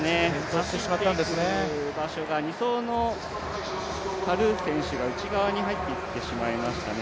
走っていく場所が２走のタルー選手が内側に入ってしまいましたね。